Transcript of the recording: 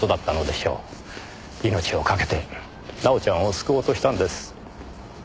命をかけて奈緒ちゃんを救おうとしたんです。